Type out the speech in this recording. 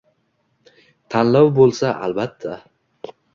Tanlov bo‘lsa, albatta.